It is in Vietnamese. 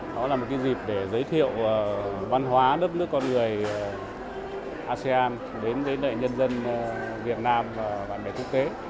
đó là một dịp để giới thiệu văn hóa đất nước con người asean đến với đại nhân dân việt nam và bạn bè thúc kế